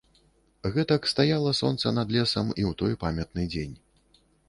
Гэтак стаяла сонца над лесам і ў той памятны дзень.